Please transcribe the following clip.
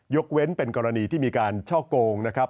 ยกเว้นเป็นกรณีที่มีการช่อโกงนะครับ